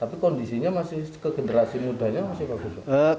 tapi kondisinya masih ke generasi mudanya masih bagus